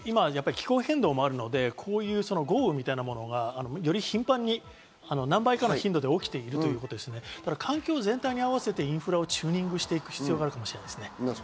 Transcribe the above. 気候変動もあるので、豪雨みたいなものがより頻繁に何倍かの頻度で起きているので、環境全体に合わせてインフラをチューニングしていく必要があるかもしれませんね。